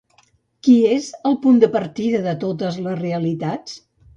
Qui és el punt de partida de totes les realitats?